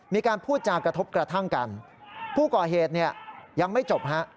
มีการพูดจากกระทบกระทั่งกันผู้ก่อเหตุเนี่ยยังไม่จบฮะ